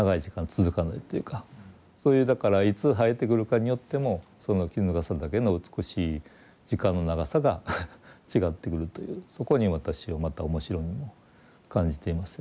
そういうだからいつ生えてくるかによってもそのキヌガサダケの美しい時間の長さが違ってくるというそこに私はまた面白みも感じていますよね。